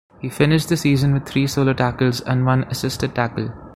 He finished the season with three solo tackles and one assisted tackle.